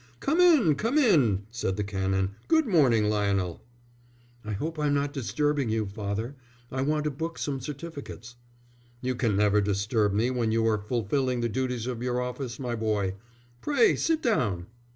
"Come in, come in," said the Canon. "Good morning, Lionel." "I hope I'm not disturbing you, father. I want to book some certificates." "You can never disturb me when you are fulfilling the duties of your office, my boy. Pray sit down."